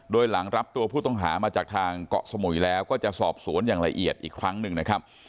โดยหลังรับตัวผู้ต้องหามาจากทางเกาะสมุยแล้วก็จะสอบสวนอย่างละเอียดอีกครั้งหนึ่งนะครับ